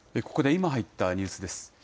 ここで今入ったニュースです。